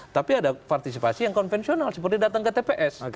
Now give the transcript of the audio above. tapi ada partisipasi yang konvensional seperti datang ke tps